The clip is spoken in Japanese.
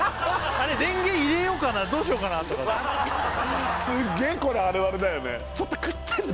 れんげ入れようかなどうしようかなとかさ分かる！